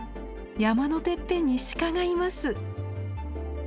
山のてっぺんに鹿がいます。